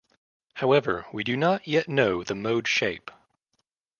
However, we do not yet know the mode shape.